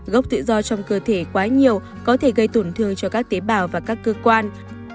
gốc tự do trong cơ thể quá nhiều có thể gây tổn thương cho các tế bào và các cơ quan